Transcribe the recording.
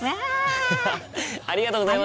アハハありがとうございます！